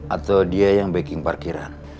atau dia yang baking parkiran